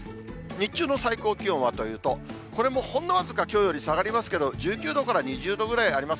日中の最高気温はというと、これもほんの僅かきょうより下がりますけど、１９度から２０度ぐらいあります。